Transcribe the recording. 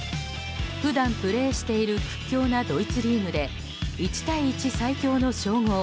普段プレーしている屈強なドイツリーグで１対１最強の称号